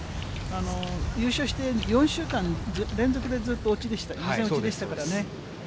優勝して４週間、連続でずっと予選落ちでしたからね。